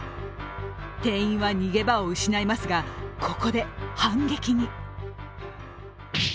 店員は逃げ場を失いますがここで反撃に。